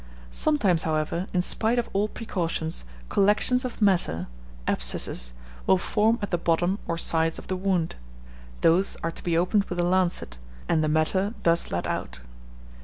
Sometimes, however, in spite of all precautions, collections of matter (abscesses) will form at the bottom or sides of the wound. Those are to be opened with a lancet, and the matter thus let out.